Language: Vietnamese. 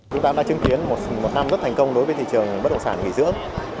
chúng ta đã chứng kiến một năm rất thành công đối với thị trường bất động sản nghỉ dưỡng